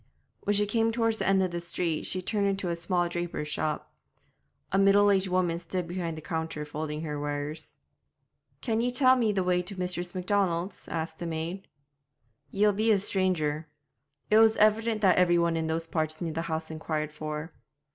When she came toward the end of the street she turned into a small draper's shop. A middle aged woman stood behind the counter folding her wares. 'Can ye tell me the way to Mistress Macdonald's?' asked the maid. 'Ye'll be a stranger.' It was evident that every one in those parts knew the house inquired for.